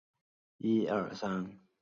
欧鲢是鲤科的一种淡水鱼。